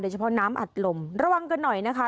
เฉพาะน้ำอัดลมระวังกันหน่อยนะคะ